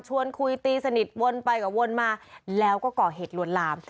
คุยตีสนิทวนไปกับวนมาแล้วก็ก่อเหตุลวนลาม